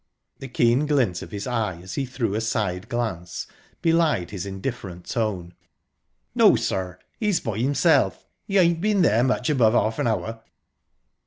The keen glint of his eye, as he threw a side glance, belied his indifferent tone. "No, sir, he's by himself. He ain't been there much above half an hour."